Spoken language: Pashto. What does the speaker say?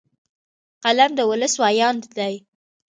قلم د ولس ویاند دی